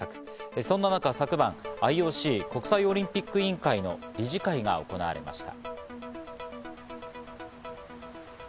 そんな中、昨晩、ＩＯＣ＝国際オリンピック委員会の理事会が行われました。